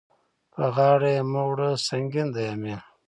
په غاړه يې مه وړه سنګين دی امېل.